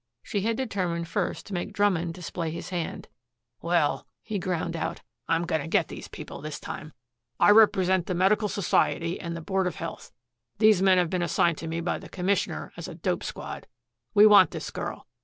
She had determined first to make Drummond display his hand. "Well," he ground out, "I'm going to get these people this time. I represent the Medical Society and the Board of Health. These men have been assigned to me by the Commissioner as a dope squad. We want this girl.